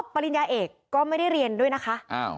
ปริญญาเอกก็ไม่ได้เรียนด้วยนะคะ